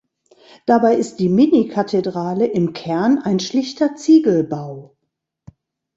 Dabei ist die Mini-Kathedrale im Kern ein schlichter Ziegelbau.